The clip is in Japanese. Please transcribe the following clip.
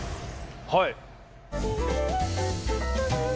はい。